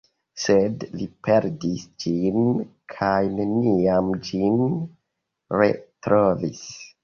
Sed li perdis ĝin kaj neniam ĝin retrovis.